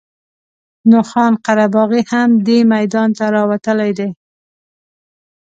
نو خان قره باغي هم دې میدان ته راوتلی دی.